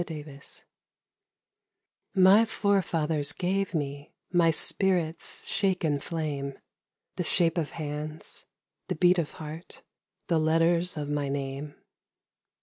Driftwood My forefathers gave me My spirit's shaken flame, The shape of hands, the beat of heart, The letters of my name.